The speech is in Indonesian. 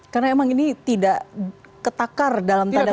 karena emang ini tidak ketakar dalam tanda kutipan